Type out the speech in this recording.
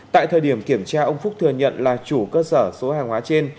tại thời điểm kiểm tra ông phúc thừa nhận là chủ cơ sở số hàng hóa trên